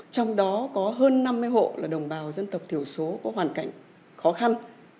trong đó có hơn năm mươi hộ là đồng bào dân tộc thiểu số có hoàn cảnh khó khăn